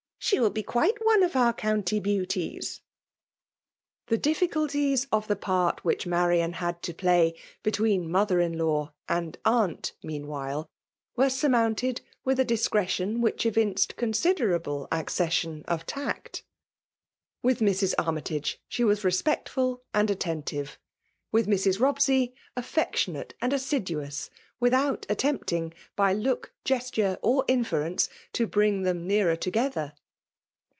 She will be quite one. of. our eCKinty beauties !*' The difficulties of the part which Manaa had to play between mother in law and aunt» meanwhile, were surmounted with a discretion vhich evinced considerable accession of tact. With Mrs. Armytage, she was respectfiil and attentive ; with Mrs. Bobsey, afiectioBate and assiduous; without attempting, by look, gesture, or inference, to bring them nearer together.